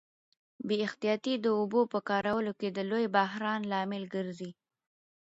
بې احتیاطي د اوبو په کارولو کي د لوی بحران لامل ګرځي.